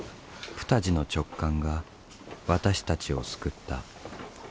プタジの直感が私たちを救った。